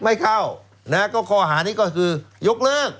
ไม่เข้านะฮะก็ข้อหานี้ก็คือยกเลิก